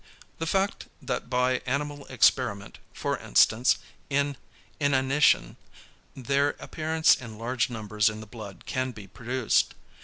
The fact that by animal experiment, for instance, in inanition, their appearance in large numbers in the blood can be produced.